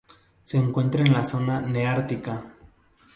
Se encuentra en la zona neártica.